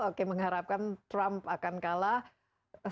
oke mengharapkan trump akan kalah